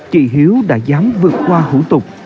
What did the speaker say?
chị hiếu đã dám vượt qua hủ tục